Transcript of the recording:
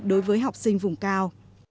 đối với học sinh vùng cao